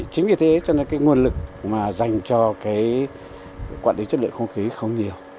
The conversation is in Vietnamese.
chính vì thế nguồn lực dành cho quản lý chất lượng không khí không nhiều